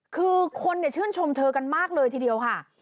คือคนชื่นชมเธอกันมากเลยทีเดียวค่ะ